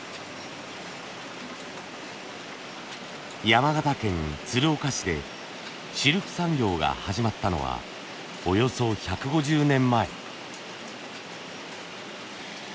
山形県鶴岡市でシルク産業が始まったのはおよそ１５０年前。